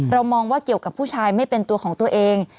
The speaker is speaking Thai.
มองว่าเกี่ยวกับผู้ชายไม่เป็นตัวของตัวเอง